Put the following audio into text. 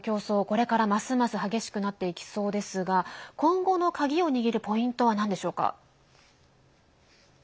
これから、ますます激しくなっていきそうですが今後の鍵を握るポイントはなんでしょうか？